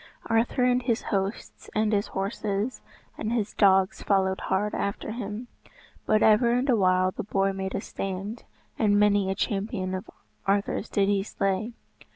Arthur and his hosts, and his horses, and his dogs followed hard after him. But ever and awhile the boar made a stand, and many a champion of Arthur's did he slay.